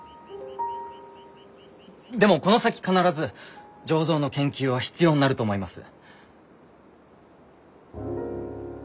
でもこの先必ず醸造の研究は必要になると思います。